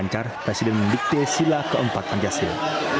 selama lancar presiden mendiktir sila keempat pancasila